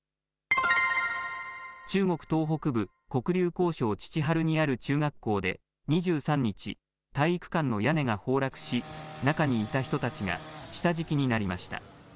中国東北部、黒竜江省チチハルにある中学校で、２３日、体育館の屋根が崩落し、中にいた人たちが下敷きになりました。